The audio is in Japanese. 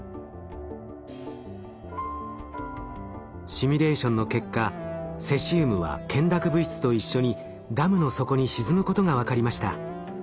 シミュレーションの結果セシウムは懸濁物質と一緒にダムの底に沈むことが分かりました。